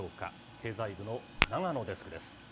経済部の永野デスクです。